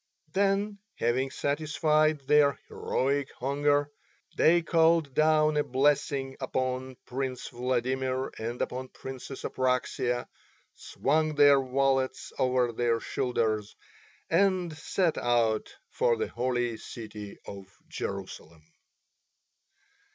Then having satisfied their heroic hunger, they called down a blessing upon Prince Vladimir and upon Princess Apraxia, swung their wallets over their shoulders and set out for the holy city of Jerusalem.